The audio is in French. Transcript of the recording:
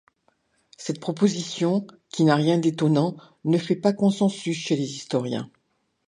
Cette proposition, qui n'a rien d'étonnant, ne fait pas consensus chez les historiens.